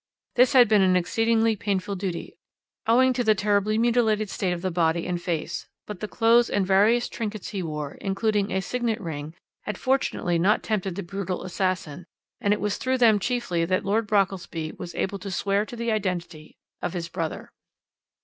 This had been an exceedingly painful duty owing to the terribly mutilated state of the body and face; but the clothes and various trinkets he wore, including a signet ring, had fortunately not tempted the brutal assassin, and it was through them chiefly that Lord Brockelsby was able to swear to the identity of his brother.